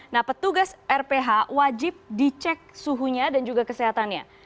nah petugas rph wajib dicek suhunya dan juga kesehatannya